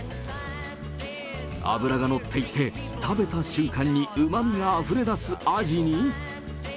脂が乗っていて、食べた瞬間にうまみがあふれ出すアジに。